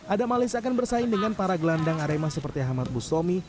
adam alistio akan bersaing dengan para gelandang arema seperti hamad busomi